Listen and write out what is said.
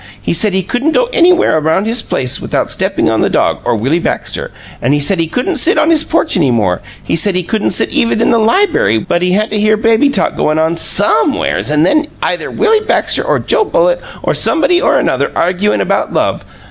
He said he couldn't go anywhere around the place without steppin' on the dog or Willie Baxter. An' he said he couldn't sit on his own porch any more; he said he couldn't sit even in the liberry but he had to hear baby talk goin' on SOMEwheres an' then either Willie Baxter or Joe Bullitt or somebody or another arguin' about love.